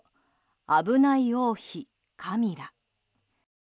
危ない王妃、カミラ。